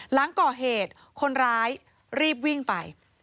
หลังก่อเหตุคนร้ายรีบวิ่งไป